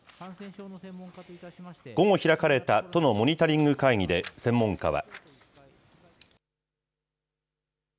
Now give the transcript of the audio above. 午後開かれた都のモニタリング会議で専門家は。